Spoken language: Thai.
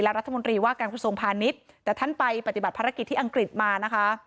รัฐมนตรีว่าการกระทรวงพาณิชย์แต่ท่านไปปฏิบัติภารกิจที่อังกฤษมานะคะ